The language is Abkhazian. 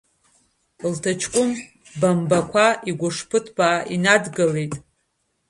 Лҭачкәым бамбақәа игәышԥы ҭбаа инадгылеит.